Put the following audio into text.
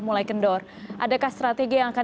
mulai kendor adakah strategi yang akan